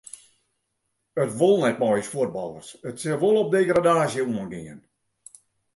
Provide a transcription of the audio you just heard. It wol net mei ús fuotballers, it sil wol op degradaasje oangean.